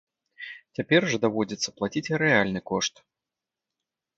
Цяпер жа даводзіцца плаціць рэальны кошт.